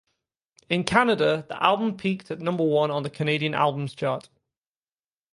In Canada, the album peaked at number one on the Canadian Albums Chart.